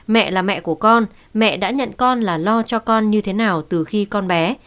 mẹ là mẹ của con mẹ đã nhận con là lo cho con như thế nào từ khi con bé